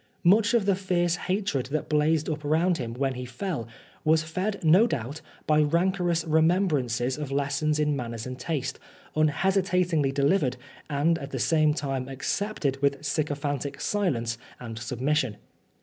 Much of the 59 Oscar Wilde fierce hatred that blazed up round him when he fell, was fed no doubt by rancorous remembrances of lessons in manners and taste, unhesitatingly delivered, and at the time accepted with sycophantic silence and submission.